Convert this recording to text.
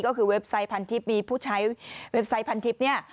ก็คือเว็บไซต์พันทิพย์มีผู้ใช้เว็บไซต์พันทิพย์เนี่ย